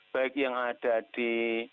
baik yang ada di